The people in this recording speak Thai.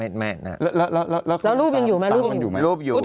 แล้วรูปยังอยู่มั้ย